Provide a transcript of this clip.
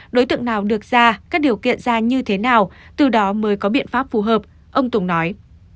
đối tượng nào được ra các điều kiện ra như thế nào từ đó mới có biện pháp phù hợp ông tùng nói